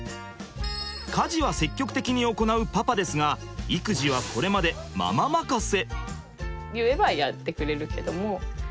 家事は積極的に行うパパですが育児はこれまでママ任せ。